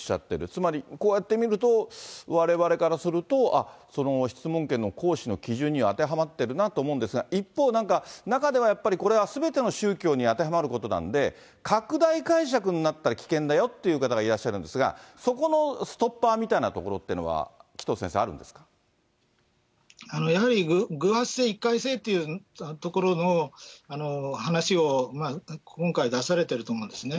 つまりこうやって見ると、われわれからすると、その質問権の行使の基準には当てはまってるなと思うんですが、一方、なんか、中ではやっぱりこれは、すべての宗教に当てはまることなんで、拡大解釈になったら危険だよという方がいらっしゃるんですが、そこのストッパーみたいなところっていうのは、紀藤先生、あるんでやはり偶発性、一回性というところの話を今回出されてると思うんですね。